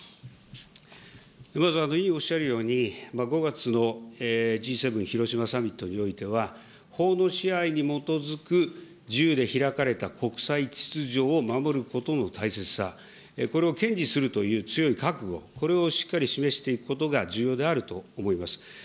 まず、委員おっしゃるように、５月のＧ７広島サミットにおいては、法の支配に基づく自由で開かれた国際秩序を守ることの大切さ、これを堅持するという強い覚悟、これをしっかり示していくことが重要であると思います。